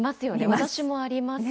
私もあります。